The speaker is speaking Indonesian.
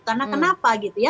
karena kenapa gitu ya